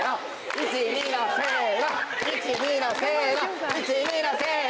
１２のせの１２のせの。